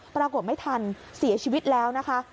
ปรากฏไม่ทันเสียชีวิตแล้วนะคะ